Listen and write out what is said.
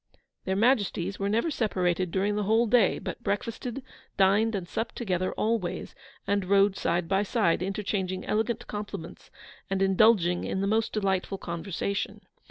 Their Majesties were never separated during the whole day, but breakfasted, dined, and supped together always, and rode side by side, interchanging elegant compliments, and indulging in the most delightful conversation.